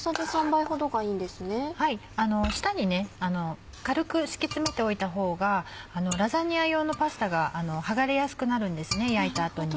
下に軽く敷き詰めておいたほうがラザニア用のパスタが剥がれやすくなるんですね焼いた後に。